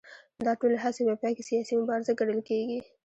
دا ټولې هڅې په پای کې سیاسي مبارزه ګڼل کېږي